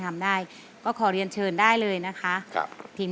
ทุกคนนี้ก็ส่งเสียงเชียร์ทางบ้านก็เชียร์